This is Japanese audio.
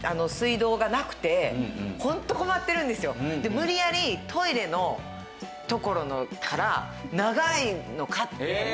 無理やりトイレの所から長いのを買って。